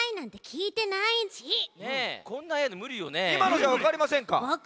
いまのじゃわかりませんか？